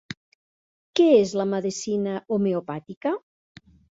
Què és la medicina homeopàtica?